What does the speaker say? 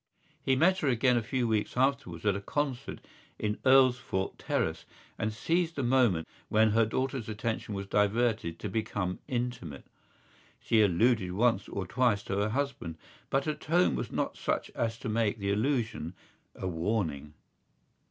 He met her again a few weeks afterwards at a concert in Earlsfort Terrace and seized the moments when her daughter's attention was diverted to become intimate. She alluded once or twice to her husband but her tone was not such as to make the allusion a warning.